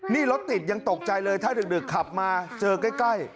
นี่รถติดยังตกใจเลยถ้าดึกขับมาเจอใกล้